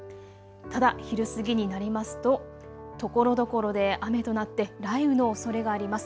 ただ昼過ぎになりますとところどころで雨となって雷雨のおそれがあります。